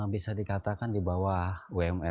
bisa dikatakan di bawah wmr lah